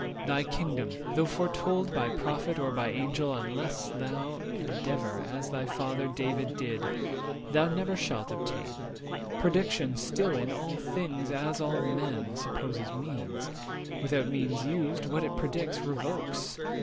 Thy kingdom, though foretold By Prophet or by Angel, unless thou Endeavour, as thy father David did, Thou never shalt obtain: prediction still In all things, and all men, supposes means; Without means used, what it predicts revokes.